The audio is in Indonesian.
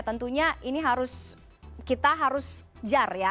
tentunya ini harus kita harus kejar ya